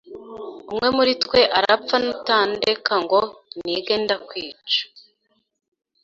umwe muri twe arapfa nutandeka ngo nige ndakwica: